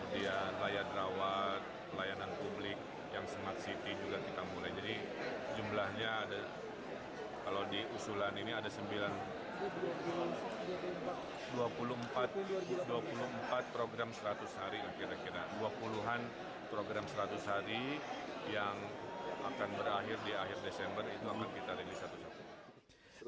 program seratus hari yang akan berakhir di akhir desember itu akan kita rilis satu satu